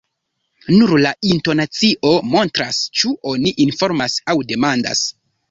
Nur la intonacio montras, ĉu oni informas aŭ demandas.